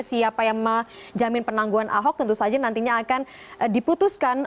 siapa yang menjamin penangguhan ahok tentu saja nantinya akan diputuskan